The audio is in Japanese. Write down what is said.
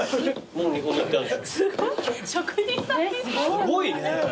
すごいね。